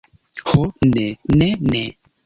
Ho, ne, ne, ne!